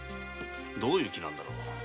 どういう気なんだろう？